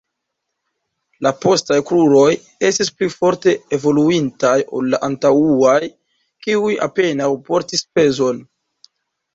La postaj kruroj estis pli forte evoluintaj ol la antaŭaj, kiuj apenaŭ portis pezon.